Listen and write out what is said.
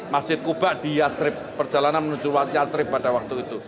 masjid kuba di yasrib perjalanan menuju wati asrib pada waktu itu